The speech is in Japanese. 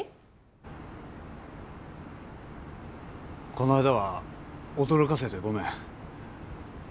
この間は驚かせてごめん。